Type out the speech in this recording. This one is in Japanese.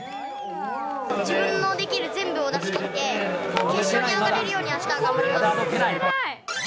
自分のできる全部を出し切って、決勝に上がれるように、あした頑張ります。